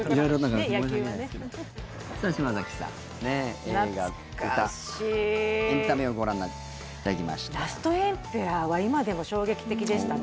映画、歌、エンタメをご覧になっていただきましたが。